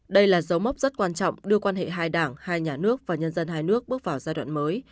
đây là dấu mốc rất quan trọng đưa quan hệ hai đảng hai nhà nước và nhân dân hai nước bước vào giai đoạn mới